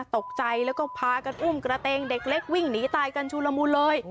ตกใจแล้วก็พากันอุ้มกระเตงเด็กเล็กวิ่งหนีตายกันชุลมูลเลย